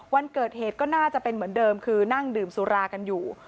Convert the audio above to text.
วันเกิดเหตุก็น่าจะเป็นเหมือนเดิมคือนั่งดื่มสุรากันอยู่